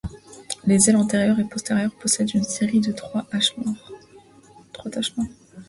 Les ailes antérieures et postérieures possèdent une série de trois taches noires.